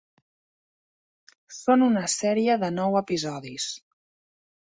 Són una sèrie de nou episodis.